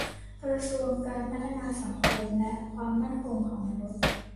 กระทรวงการพัฒนาสังคมและความมั่นคงของมนุษย์